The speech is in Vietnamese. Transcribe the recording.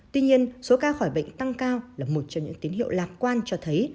tuy nhiên số ca khỏi bệnh tăng cao là một trong những tín hiệu lạc quan cho thấy